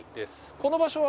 この場所は。